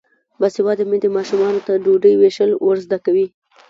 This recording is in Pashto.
باسواده میندې ماشومانو ته ډوډۍ ویشل ور زده کوي.